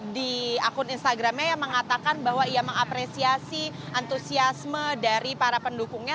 di akun instagramnya yang mengatakan bahwa ia mengapresiasi antusiasme dari para pendukungnya